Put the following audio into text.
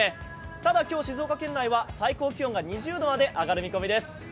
ただ今日、静岡県内は最高気温が２０度まで上がる見込みです。